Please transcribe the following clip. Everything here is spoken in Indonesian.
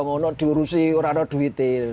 yang lain yang diurusin orang lain yang berdiri